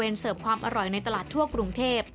มีความอร่อยในตลาดทั่วกรุงเทพ